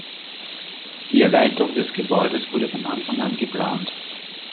Die Erweiterung des Gebäudes wurde von Anfang an geplant.